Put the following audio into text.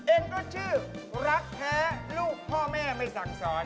เองก็ชื่อรักแท้ลูกพ่อแม่ไม่สั่งสอน